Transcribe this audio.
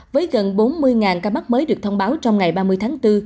với gần bốn mươi ca mắc mới được thông báo trong ngày ba mươi tháng bốn